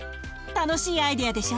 楽しいアイデアでしょ？